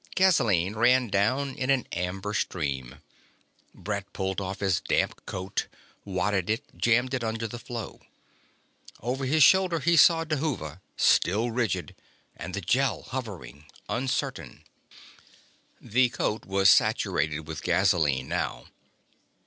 Gasoline ran down in an amber stream. Brett pulled off his damp coat, wadded it, jammed it under the flow. Over his shoulder he saw Dhuva, still rigid and the Gel, hovering, uncertain. The coat was saturated with gasoline now.